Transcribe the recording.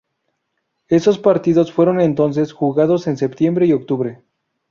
Esos partidos fueron entonces jugados en septiembre y octubre.